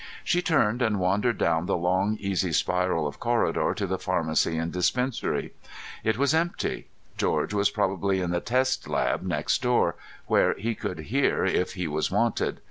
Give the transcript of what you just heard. She turned and wandered down the long easy spiral of corridor to the pharmacy and dispensary. It was empty. George was probably in the test lab next door, where he could hear if he was wanted.